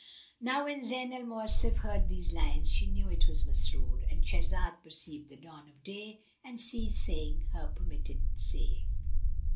Now when Zayn al Mawasif heard these lines, she knew that it was Masrur.—And Shahrazad perceived the dawn of day and ceased saying her permitted say.